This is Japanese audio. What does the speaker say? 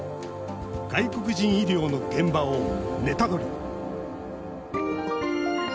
外国人医療の現場をネタドリ！